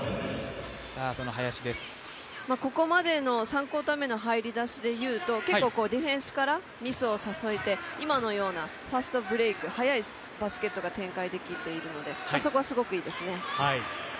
ここまでの３クオーター目の入り出しでいうと、結構ディフェンスからミスをさせて今のようなファストブレイク、速いバスケットが展開できているので、そこはすごくいいですね。